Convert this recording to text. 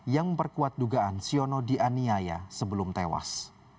yang memperkuat dugaan siono dianiaya sebelum tewas